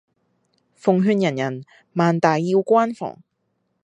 奉勸人人萬大要關防